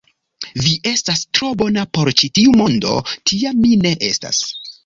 Vi estas tro bona por ĉi tiu mondo; tia mi ne estas.